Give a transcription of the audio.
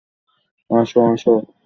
আসো, আসো।